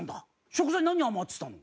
食材何余ってたの？